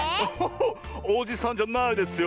おじさんじゃないですよ。